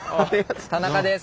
田中です。